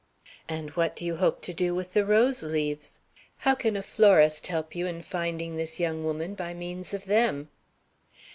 "And what do you hope to do with the rose leaves? How can a florist help you in finding this young woman by means of them?"